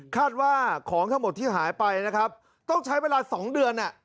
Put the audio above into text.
คาดว่าของทั้งหมดที่หายไปนะครับต้องใช้เวลา๒เดือน